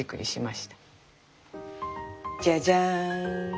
じゃじゃん！